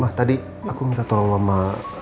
wah tadi aku minta tolong sama